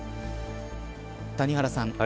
谷原さん